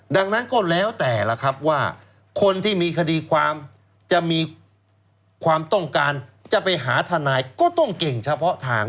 ดังนั้นก็แล้วแต่ล่ะครับว่าคนที่มีคดีความจะมีความต้องการจะไปหาทนายก็ต้องเก่งเฉพาะทาง